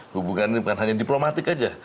hubungan ini bukan hanya diplomatik saja